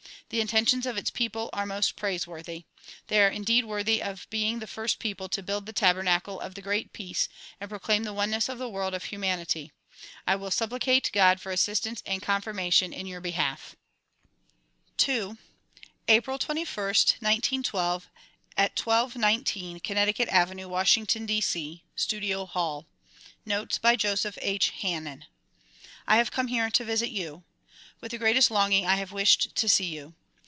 The intentions of its people are most praiseworthy. They are indeed worthy of being the first people to build the tabernacle of the great peace and proclaim the oneness of the world of hu manity. I will supplicate God for assistance and confirmation in your behalf, II April 21,1912, at 1219 Connecticut Avenue, Washington, D. C. Studio Hall. Notes by Joseph H. Hannen I HAVE come here to visit you. With the greatest longing I have wished to see you.